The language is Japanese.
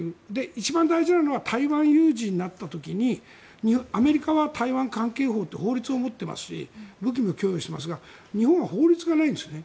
一番大事なのは台湾有事になった時にアメリカは台湾関係法という法律を持っていますし武器も供与していますが日本は法律がないんですね。